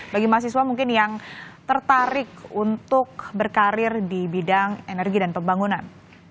bagi mahasiswa mungkin yang tertarik untuk berkarir di bidang energi dan pembangunan